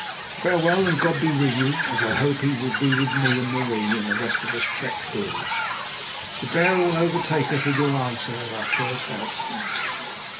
Farewell and God be with you, as I hope He will be with me and Marie and the rest of us trek Boers. The bearer will overtake us with your answer at our first outspan.